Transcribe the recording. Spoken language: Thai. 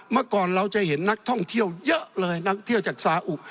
เมื่อก่อนเราจะเห็นนักท่องเที่ยวเยอะเลยนักเที่ยวจากซาอุ